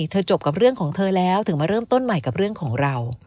จบกับเรื่องของเธอแล้วถึงมาเริ่มต้นใหม่กับเรื่องของเรา